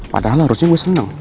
padahal harusnya gue seneng